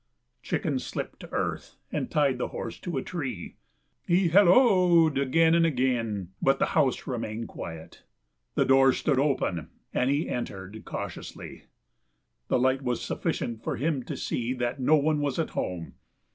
Chicken slipped to earth, and tied the horse to a tree. He halloed again and again, but the house remained quiet. The door stood open, and he entered cautiously. The light was sufficient for him to see that no one was at home.